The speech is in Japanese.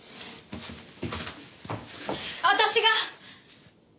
私が！